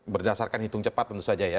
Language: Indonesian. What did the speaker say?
berdasarkan hitung cepat tentu saja ya